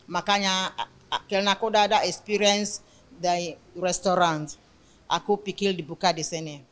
makanya karena aku sudah ada pengalaman di restoran aku pikir dibuka di sini